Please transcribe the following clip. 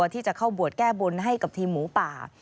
ที่จะเข้าบวชแก้บนให้กับทีมหมูป่า